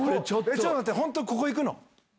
ちょっと待って、本当ここ行くの？